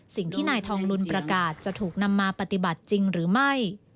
สิ่งที่นายทองลุนประกาศจะถูกนำมาปฏิบัติจริงหรือไม่